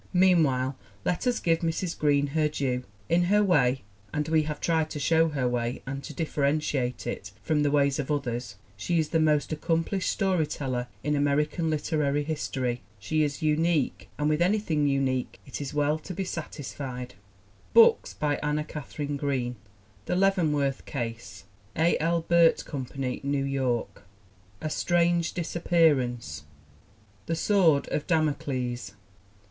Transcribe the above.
Meanwhile let us give Mrs. Green her due. In her way, and we have tried to show her way and to dif ferentiate it from the ways of others, she is the most accomplished story teller in American literary history. She is unique, and with anything unique it is well to be satisfied ! BOOKS BY ANNA KATHARINE GREEN The Leavenworth Case. A. L. Burt Company, New York. A Strange Disappearance. The Sword of Damocles.